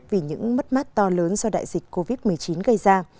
vì những mất mát to lớn do đại dịch covid một mươi chín gây ra